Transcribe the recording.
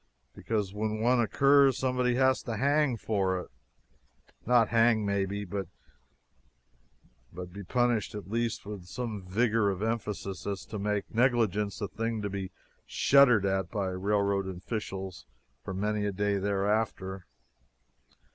Because when one occurs, somebody has to hang for it! Not hang, maybe, but be punished at least with such vigor of emphasis as to make negligence a thing to be shuddered at by railroad officials for many a day thereafter.